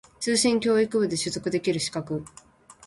通信教育部で取得できる資格